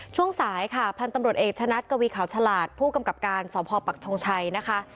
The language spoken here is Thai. ช่วงสายค่ะพันธุ์ตำรวจเอกชะนัดกวีขาวฉลาดผู้กำกับการสพปักทงชัยนะคะ